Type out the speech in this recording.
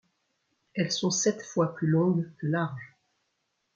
Elles sont sept fois plus longues que larges.